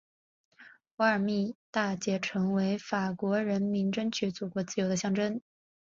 瓦尔密大捷成为法国人民争取祖国自由的象征。